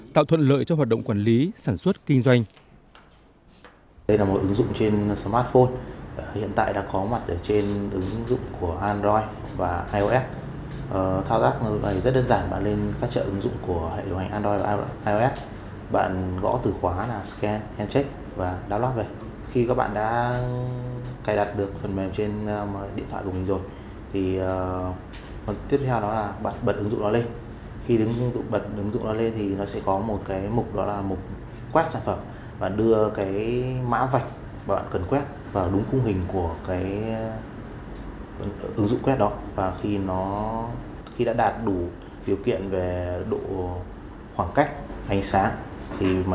tạo thuận lợi cho hoạt động quản lý sản xuất kinh doanh